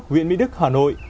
viện mỹ đức hà nội